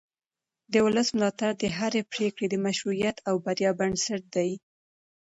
د ولس ملاتړ د هرې پرېکړې د مشروعیت او بریا بنسټ دی